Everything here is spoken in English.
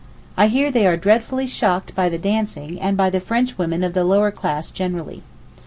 I hear they are dreadfully shocked by the dancing, and by the French women of the lower class generally.